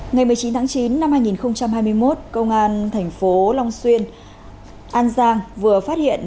ngày một mươi chín tháng chín năm hai nghìn hai mươi một công an thành phố long xuyên an giang vừa phát hiện